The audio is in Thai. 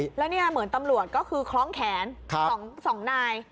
แล้วนี่เนี่ยเหมือนตำลวดก็คือคล้องแขนของสองนาย